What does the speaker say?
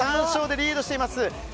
３勝でリードしています。